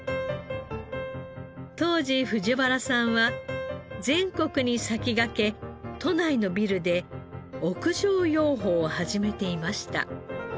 当時藤原さんは全国に先駆け都内のビルで屋上養蜂を始めていました。